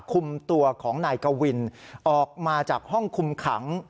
คุมตัวของนายกวินออกมาจากห้องคุมขัง